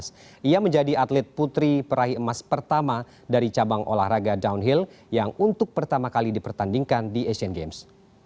dia menjadi atlet putri perahi emas pertama dari cabang olahraga downhill yang untuk pertama kali dipertandingkan di asian games